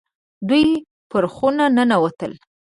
دوی پر خونه ننوتل.